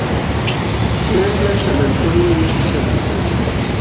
Lanla sananćhuumi yutu takiykan.